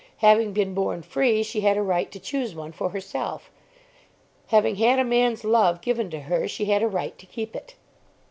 Having been born free she had a right to choose one for herself. Having had a man's love given to her she had a right to keep it.